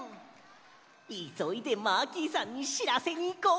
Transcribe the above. いそいでマーキーさんにしらせにいこう！